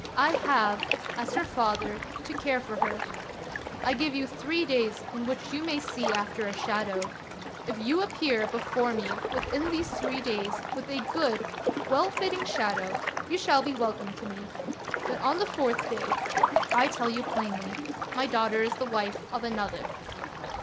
I have, as her father, to care for her. I give you three days in which you may see after a shadow. If you appear before me within these three days with a good, well fitting shadow, you shall be welcome to me ; but on the fourth day — I tell you plainly — my daughter is the wife of another."